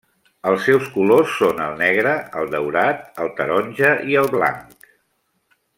Els seus colors són el negre, el daurat, el taronja i el blanc.